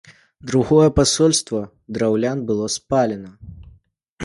Другое пасольства драўлян было спалена.